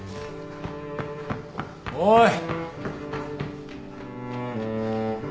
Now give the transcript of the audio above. おい。